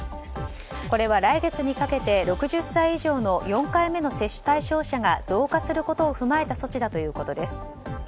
これは来月にかけて６０歳以上の４回目の接種対象者が増加することを踏まえた措置だということです。